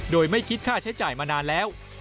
โดยไม่คิดค่าใช้จ่ายมานานแล้ว